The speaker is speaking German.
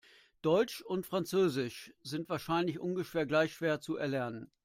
Deutsch und Französisch sind wahrscheinlich ungefähr gleich schwer zu erlernen.